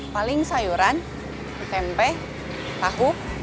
paling sayuran tempe tahu